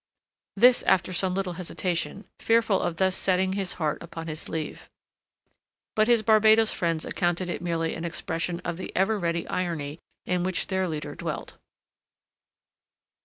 This after some little hesitation, fearful of thus setting his heart upon his sleeve. But his Barbados friends accounted it merely an expression of the ever ready irony in which their leader dealt.